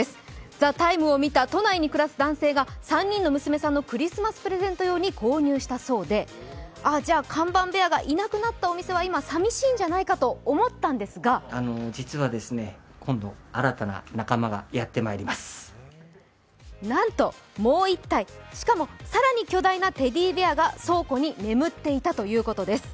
「ＴＨＥＴＩＭＥ，」を見た都内に暮らす男性が３人の娘さんのクリスマスプレゼント用に購入したそうで看板ベアがいなくなったお店は今、寂しいんじゃないかと思ったんですがなんと、もう１体、しかも更に巨大なテディベアが倉庫に眠っていたということです。